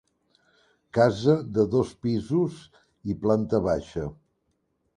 Casa de dos pisos i planta baixa.